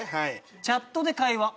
「チャットで会話」